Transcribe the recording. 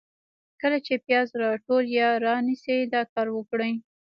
کله چي پیاز راټول یا رانیسئ ، دا کار وکړئ: